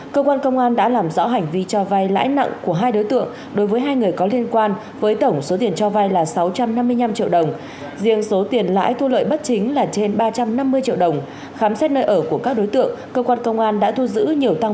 cơ quan công an đã làm rõ hành vi cho vay lãi nặng của hai đối tượng đối với hai người có liên quan với tổng số tiền cho vay là sáu trăm năm mươi năm triệu đồng